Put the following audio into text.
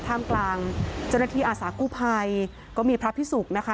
ท่ามกลางเจ้าหน้าที่อาสากู้ภัยก็มีพระพิสุกนะคะ